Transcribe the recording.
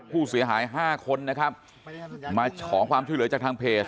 ผู้เสียหาย๕คนนะครับมาขอความช่วยเหลือจากทางเพจ